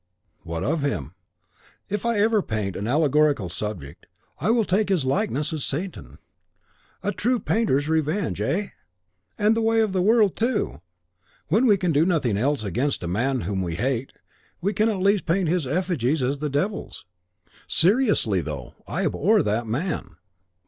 "What of him?" "If ever I paint an allegorical subject, I will take his likeness as Satan. Ha, ha! a true painter's revenge, eh? And the way of the world, too! When we can do nothing else against a man whom we hate, we can at least paint his effigies as the Devil's. Seriously, though: I abhor that man."